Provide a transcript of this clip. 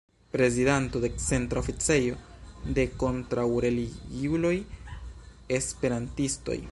Prezidanto de Centra oficejo de kontraŭreligiuloj-Esperantistoj.